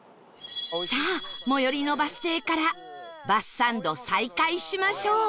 さあ最寄りのバス停からバスサンド再開しましょう